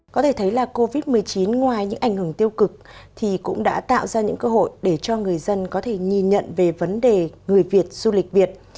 có thể thấy là covid một mươi chín ngoài những ảnh hưởng tiêu cực thì cũng đã tạo ra những cơ hội để cho người dân có thể nhìn nhận về vấn đề người việt du lịch việt